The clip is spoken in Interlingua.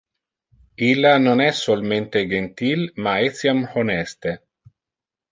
Illa non es solmente gentil, ma etiam honeste.